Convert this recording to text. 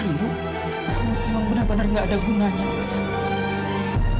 kamu tuh bener bener gak ada gunanya aksan